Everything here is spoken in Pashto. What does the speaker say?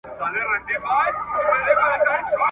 چي مي خپل سي له شمشاده تر چتراله `